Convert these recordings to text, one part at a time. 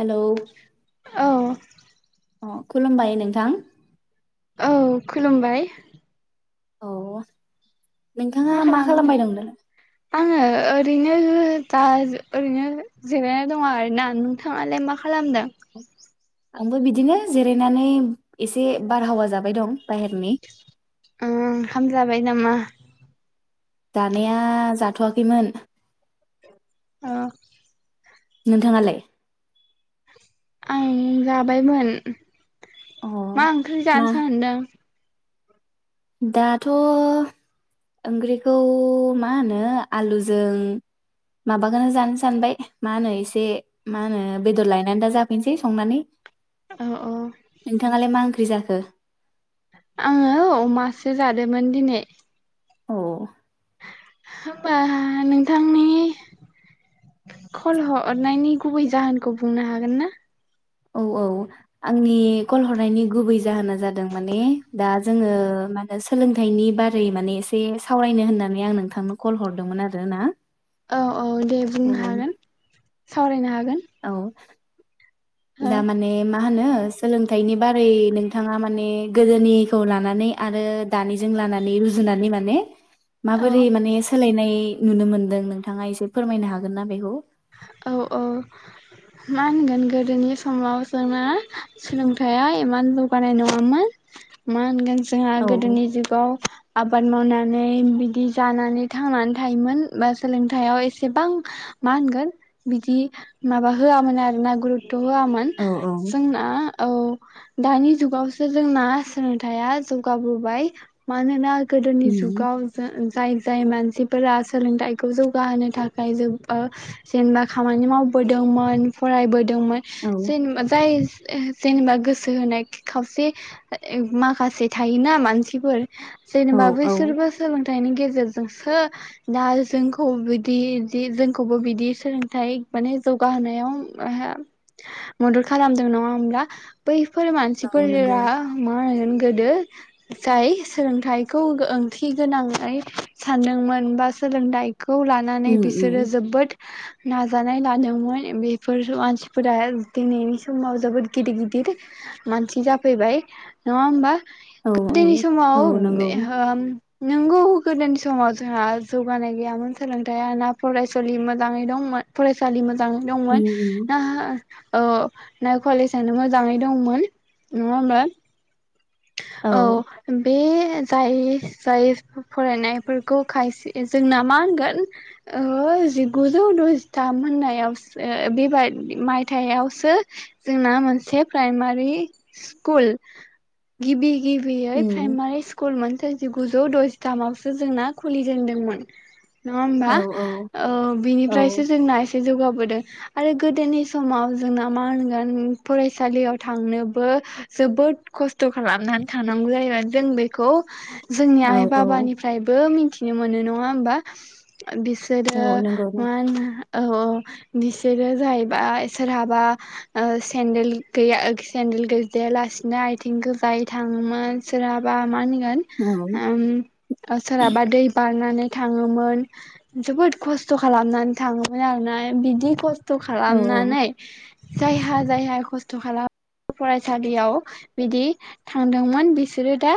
hello औ अ खुलुमबाय नोंथां औ खुलुमबाय औ नोंथाङा मा खालामबायदोंं आङो ओरैनो दा ओरैनो जिरायना दङ आरोना नोंथाङालाय मा खालामदों आंबो बिदिनो जिरायनानै एसे बारहावा जाबाय दं बाहेरनि उ ओंखाम जाबाय नामा जानाया जा थ'वाखैमोन औ नोंथाङालाय आं जाबायमोन अ मा ओंख्रि मा जानो सानदों दाथ' ओंख्रिखौ मा होनो आलुजों माबाखौनो जानो सानबाय मा होनो एसे मा होनो बेदर लायनानै दा जाफैनसै संनानै औ औ नोंथाङालाय मा ओंख्रि जाखो आङो अमासो जादोंमोन दिनै औ होनबा नोंथांनि कल हरनायनि गुबै जाहोनखौ बुंनो हागोन ना औ औ आंनि कल हरनायनि गुबै जाहोना जादों माने दा जोङो माने सोलोंथाइनि बारै माने एसे सावरायनो होननानै आं नोंथांनो कल हरदोंमोन आरोना अ औ दे बुंनो हागोन सावरायनो हा औ औ दा माने मा होनो सोलोंथाइनि बारै नोंथाङा माने गोदोनिखौ लानानै आरो दानिजों लानानै रुजुनानै माने माबोरै औ माने सोलायनाय नुनो मोनदों नोंथाङा एसे फोरमायनो हागोन ना बेखौ औ औ मा होनगोन गोदोनि समाव जोंना सोलोंथाइया इमान जौगानाय नङामोन मा होनगोन जोंहा औ गोदोनि जुगाव आबाद मावनानै बिदि जानानै थांनानै थायोमोन बा सोलोंथाइयाव एसेबां मा होनगोन बिदि माबा होआमोनोन आरो ना गुरु थ' होआमोन औ औ जोंना औ दानि जुगावसो जोंना सोलोंथाइया जौगाबोबाय मानोना गोदोनि उम जुगाव जों जाय जाय मानसिफोरा सोलोंथाइखौ जौगाहोनो थाखाय जबो ओ जेनेबा खामानि मावबोदोंमोन फरायबोदों दोंमोन औ जेनबा जाय जेनेबा गोसो होनाय खावसे माखासे थायोना मानसिफोर औ जेनेबा औ बैसोरबो सोलों थाइनि गेजेरजोंसो दा जोंखौ बिदि जि जों खौबो बिदि सोलोंथाइ माने जौगाहोनायाव मदद खालामदों नङा होमब्ला बै बेफोर औ नंगौ मानसिफोर-रा [unintelligible] गोदो जाय सोलोंथाइखौ ओंथि गोनाङै सानदोंमोन बा सोलोंथाइ खौ लानानै उम उम बिसोरो जोबोद नाजानाय लादोंमोन बेफोर मानसिफोरा दिनैनि समाव जोबोद गिदिर गिदिर मानसि जाफैबाय नङा होमबा औ गोदोनि औ समाव औ नंगौ नोंगौ गोदोनि समाव जोंहा जौगानाय गैयामोन सोलोंथाया ना फराय सलि मोजाङै दं फरायसालि मोजां दां औ दंमोन ना औ ना कलेजआनो मोजाङै दंमोन नङा होमबा औ बे जाय जाय फरायनायफोरखौ खायसे जोंना मा होनगोन जिगुजौ द'जिथाम मोनायावसो बेब मायथाइावसो जोंना मोनसे प्राइमारि स्कुल गिबि गिबियै प्राइमारि स्कुल मोनसे जिगुजौ द'जिथामावसो जोंना खुलिजेनदोंमोन नङा होमबा औ औ औ बिनिफ्रायसो जोंना एसे जौगाब आरो गोदोनि समाव जोंना मा होनगोन फरायसालियाव थांनोबो जोबोद खस्थ' खस्थ' खालामनानै थानांगौ जायो जों बेखौ जोंनि आइ औ बाबानिफ्रायबो मिथि नो मोनो नङा होमबा औ बिसोरो नंगौ मा होनो औ औ बिसोरो जाहैबाय सोरहाबा ओ सेन्देल गैया सेन्देल गैजाया लासिनो आथिं गोजायै थाङोमोन सोरहाबा मानि होन औ उम सारबा दै बारनानै थाङोमोन जोबोद खस्थ' खालामनानै थाङोमोन आरोना बिदि खस्थ' खस्थ' औ खालामनानै जायहा जायहा खस्थ' खालामो फरायसालियाव बिदि थांदोंमोन बिसोरो दा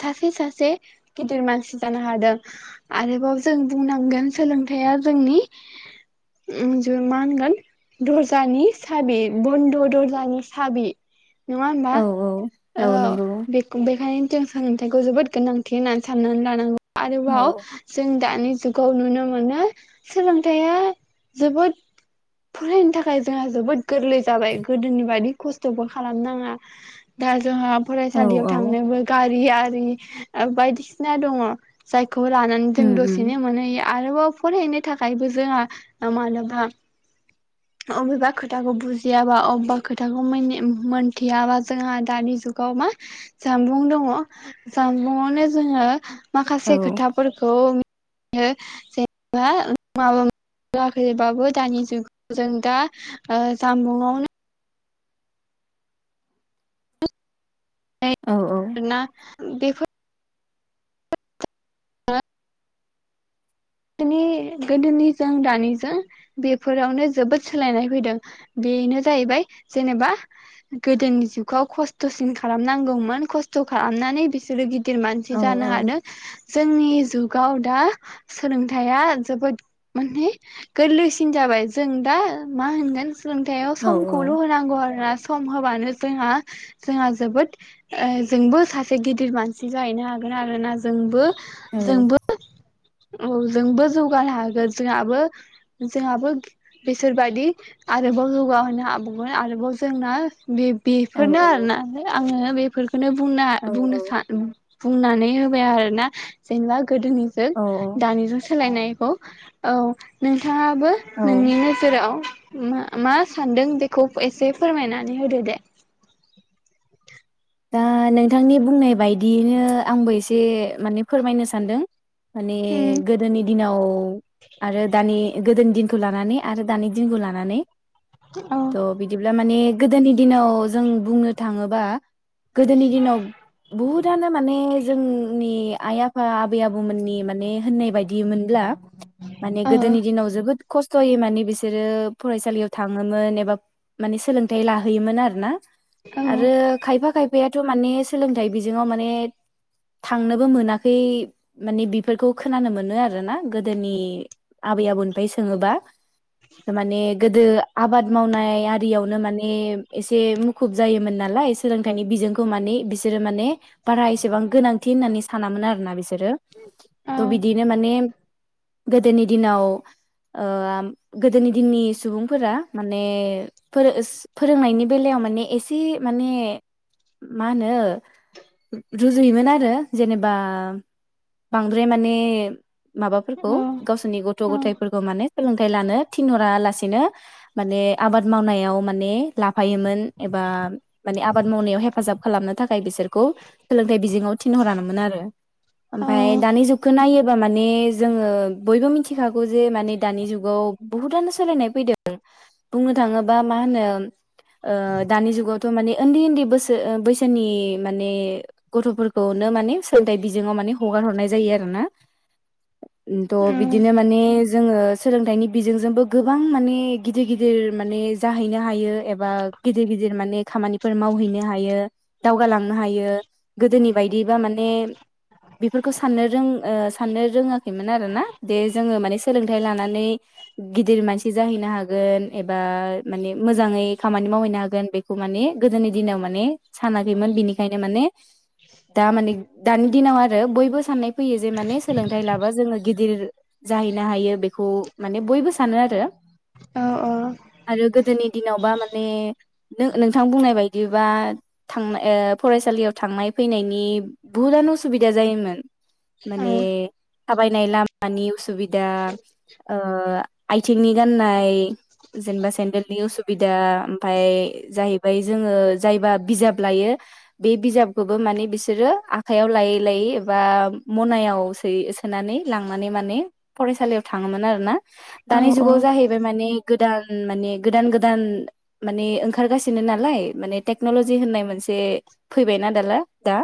सासे सासे गिदिर मानसि जानो हादों आरोबाव जों बुंनांगोन सोलोंथाइया जोंनि ज मा होनगोन दर्जानि साबि बन्द' दर्जानि साबि नङा होनबा औ औ बेख' बेखायनो जों सोलोंथाइखौ जोबोद गोनांथि होननानै साननानै लानांगौ औ आरोबाव जों दानि जुगाव नुनो मोनो सोलोंथाइया जोबोद फरायनो थाखाय जोंहा जोबोद गोरलै जाबाय गोदोनि बादि खस्थ'बो खालामनाङा दा जोंहा औ फरायसालियाव औ थांनोबो गारि बायदिसिना दङ जाय खौ लानानै जों दसेनो मोनै आरोबाव फरायनो थाखायबो जोंहा मानोबा अबेबा खोथाखौ बुजियाबा अबेबा खोथाखौ मोन-मोनथियाबा जोंहा दानि जुगाव मा जामबुं दङ जामबुंआवनो जोङो औ माखासे खोथाफोरखौ जेनेबा माबाखैबाबो दानि जुगाव जों दा जामबुंआवनो [unintelligible] बेफोर नि गोदोनिजों दानिजों बेफोरावनो जोबोद सोलायनाय फैदों बेनो जाहैबाय जेनेबा गोदोनि जुगाव खस्थ'सिन खालामनांगौमोन खस्थ' खालामनानै बिसोरो गिद दिर मानसि जानो हादों जोंनि जुगाव दा सोलोंथाइया जोबोद माने गोरलैसिन जाबाय जों दा मा होनगोन सोलोंथाइाव समखौल' होनांगौ आरोना सम होबानो जोंहा जोंहा जोबोद ओ जोंबो सासे गिदिर मानसि जाहैनो हागोन आरोना जोंबो जोंबो औ जोंबो जौगानो हागोन जोंहाबो जोंहाबो बिसोरबायदि आरोबाव जौगाहोनो हाबावगोन आरोबाव जोंना बे बेफोरनो आरो ना आङो बेफोर नो बुंना-बुंनो सा- औ बुंनानै होबाय आरोना जेनेबा गोदोनि औ दानिजों सोलायनाय खौ औ नों बिथाङाबो नोंनि नोजोराव मा मा सानदों बेखौ एसे फोरमायनानै होदो दे दा नोंथांनि बुंनाय बायदियैनो आंबो एसे से माने फोरमायनो सानदों माने उम गोदोनि दिनाव आरो दानि गोदोनि दिन खौ लानानै आरो दानि दिनखौ लानानै औ थ' बिदिब्ला माने गोदोनि दिनाव जों बुंनो थाङोबा गोदोनि दिनाव बहुतानो माने जोंनि आइ आफा आबै आबौमोननि माने होननाय बायदि मोनब्ला माने औ गोदोनि दिनाव जबो खस्थ सयै माने बिसोरो फरायसालियाव थाङोमोन एबा माने सोलोंथाइ लाहैयोमोन आरो ना औ आरो खायफायाथ' माने सोलोंथाइ बिजोंङाव माने थांनोबो मोनाखै माने बेफोरखौ खोनानो मोनो आरो ना गोदोनि आबै आबौनिफ्राय सोङोबा थारमाने गोदो आबाद मावनाय आरियावनो माने एसे मुखुब जायोमोन नालाय सोलोंथाइनि बिजोंखौ माने बिसोरो माने बारा एसेबां गोनांथि होननानै सानामोन आरोना बिसोर औ बिसोरो थ' बिदिनो माने गोदोनि दिनाव ओ गोदोनि दिननि सुबुंफोरा माने फोरोंनायनि बेलायाव माने एसे माने मा होनो रुजुयोमोन आरो जेनेबा बांद्राय माने माबाफोरखौ औ गावसोरनि गथ' औ गथाइफोरखौ माने सोलों थाय लानो थिनहरा लासेनो मान आबाद मावनायाव माने लाफायोमोन एबा माने आ आबाद मावनायाव हेफाजाब खालामनो थाखाय बिसोरखौ सोलोंथाइ बिजोङाव थिनहरानोमोन आरो ओमफाय औ दानि जुगखौ नायो हमबा माने जोङो बयबो मिथिखागौ जे माने दानि जुगाव बुहुतानो सोलायनाय फैदों बुंनो थाङोबा मा होनो दानि ओ जुगावथ' माने उन्दै उन्दै बोसो बैसोनि माने गथ'फोरखौनो माने सोलोंथाइ बिजोङाव माने हगार हरनाय जायो आरो ना थ' बिदिनो माने जोङो सोलोंथाइनि बिजोंजोंबो गोबां माने गिदिर गिदिर माने जाहैनो हायो एबा गिदिर गिदिर माने खामानि फोर मावहैनो हायो दावगालांनो हायो गोदोनि बायदिबा माने बेफोरखौ साननो रों साननो रोङाखैमोन आरो ना दे जोङो माने सोलोंथाइ लानानै गिदिर मानसि जाहैनो हागोन एबा माने मोजाङै खामानि मावहैनो हागोन बेखौ माने गोदोनि दिनाव माने सानाखैमोन बिनिखायनो माने दा माने दानि दिनाव आरो बयबो साननाय फैयो जे माने सोलोंथाइ लाबा जोङो गिदिर जाहैनो हायो बेखौ माने बयबो सानो आरो औ औ आरो गोदोनि दिनावबा माने नोंथां बुंनाय बायदिबा थांनाय फरायसालियाव थांनाय फैनायनि बहुतानो असुबिदा जायोमोन माने औ थाबायनाय लामानि उसुबिदा ओ आथिंनि गाननाय जेनेबा सेन्देलनि उसुबिदा ओमफाय जाहैबाय जोङो जायबा बिजाब लायो बे बिजाबखौबो माने बिसोरो आखयाव लायै लायै एबा मनायाव सै सोनानै लांनानै माने फरायसालियाव थाङोमोन आरो ना औ दानि जुगाव जााहैबाय माने गोदान माने गोदान गोदान माने ओंखारगासिनो नालाय नालाय माने टेकन'लजि होननाय मोनसे फैबायना दाला दा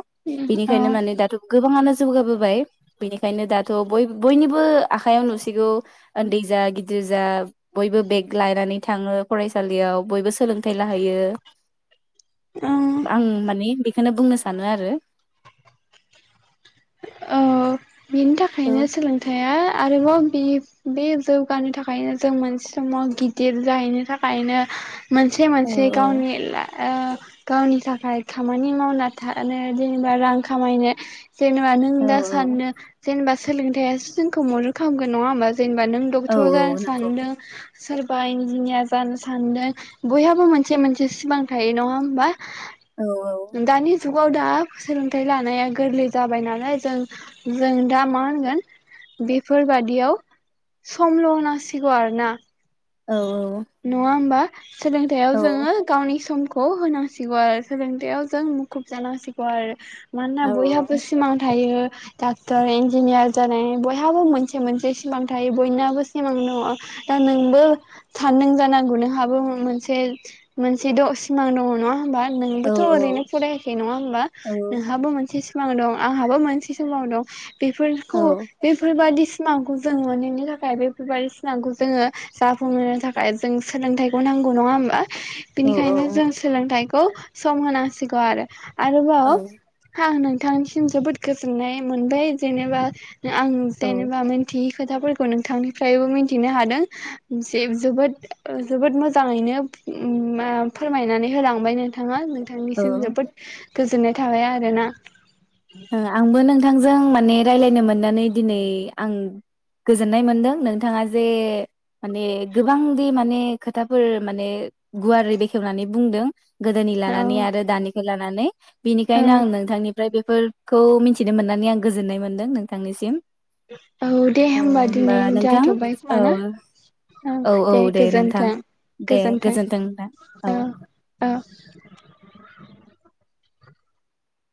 औ बिनिखायनो माने दाथ' गोबाङानो जौगाबोबाय बेनिखायनो दाथ' ब बयनिबो आखायाव नुसिगौ उन्दै जा गिदिर जा बयबो बेग लानानै थाङो फरायसालियाव बयबो सोलोंथाइ लाहैयो औ आं माने बेखौनो बुंनो सानो आरो बिनि औ थाखायनो सोलोंथाइया आरोबाव बे बे जौगानो थाखायनो जों मोनसे समाव गिदिर जाहैनो थाखायनो मोनसे औ मोनसे औ गावनि ला ओ गावनि थाखाय खामानि मावना थानो जेनेबा रां खामायनो जेनेबा नों औ दा सानो जेनेबा सोलोंथायासो जोंखौ मदद खालामगोन नङा होमबा जेनेबा नों औ डक्टर औ जानो नंगौ सानदों सोरबा इन्जिनियार जानो सानदो बयहाबो मोनसे मोनसे सिमां थायो नङा होमबा औ औ दानि जुगाव दा सोलोंथाइ लानाया गोरलै जाबाय नालाय जों जों दा मा होनगोन बेफोरबादियाव समल होनांसिगौ आरोना औ नङा होमबा सोलोंथायाव औ जोङो गावनि समखौ खौ होनांसिगौ आरो सोलोंथायाव जों मुखुब जानांसिगौ आरो औ मानोना बयहाबो सिमां थायो डाक्टर इन्जिनियार जानाय बयहाबो मोनसे मोनसे सिमां थायो बयनाबो सिमां दङ दा नोंबो सानदों जानांगौ नोंहाबो मोनसे मोनसे द सिमां दङ नङा होमबा औ नोंबोथ ओरैनो फरायाखै नङा होमबा औ नोंहाबो मोनसे सि दं आंहाबो मोनसे सिमां दं औ बेफोरखौ बेफोरबायदि सिमांखौ जोंङो मोननो थाखाय बेफोरबायदि सिमांखौ जोङो जाफुंहोनो थाखाय जों सोलोंथाइखौ नांगौ नङा होमबा बिनिखायनो जों सोलोंथाइ औ सम होनांसिगौ आरो औ आरोबाव बिथांनिसिम जोबोद गोजोन जोननाय मोनबाय जेनेबा आं जेनेबा मोनथियै खोथाफोरखौ नोंथांनिफ्रायबो मिथिनो हादों जे जोबोद जोबोद मोजाङैनो उम मा फोरमायनानै होलांबाय नोंथाङा औ बिथांनिसिम जोबोद गोजोननाय थाबाय आरो ना आंबो नों थांजों माने रायज्लायनो मोननानै दिनै आं गोजोननाय मोनदों नोंथाङा जे माने गोबांदि माने खोथाफोर माने गुवारै बेखेवनानै बुंदों गोदोनि औ लानानै आरो दानिखो लानानै औ बेनिखायनो आं नोंथांनिफ्राय बेफोर खौ मिथिनो मोननानै आं गोजोननाय मोनदों नोंथांनिसिम औ दे थ' होमबा दिनै नोंथां जाथ'बाय औ खोमाना औ दे गोजोनथों दे गोजोन्थों गोजोनथों नोंथां औ औ